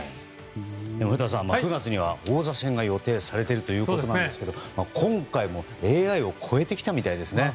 古田さん、９月には王座戦が予定されているということですが今回もＡＩを超えてきたみたいですね。